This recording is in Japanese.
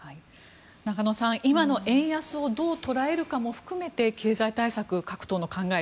中野さん、今の円安をどう捉えるかも含めて経済対策、各党の考え